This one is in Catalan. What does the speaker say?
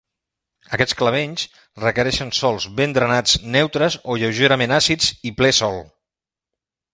Aquests clavells requereixen sòls ben drenats neutres o lleugerament àcids i ple sol.